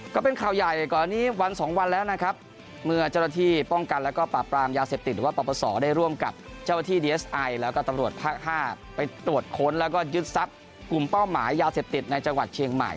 ก็เป็นข่าวใหญ่ก่อนนี้วันสองวันแล้วนะครับเมื่อเจ้าหน้าที่ป้องกันแล้วก็ปราบปรามยาเสพติดหรือว่าปปศได้ร่วมกับเจ้าหน้าที่ดีเอสไอแล้วก็ตำรวจภาคห้าไปตรวจค้นแล้วก็ยึดทรัพย์กลุ่มเป้าหมายยาเสพติดในจังหวัดเชียงใหม่